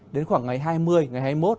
đến khoảng ngày hai mươi ngày hai mươi một